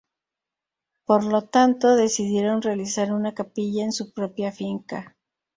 Por lo tanto, decidieron realizar una capilla en su propia finca.